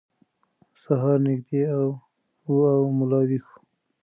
سهار نږدې و او ملا ویښ و.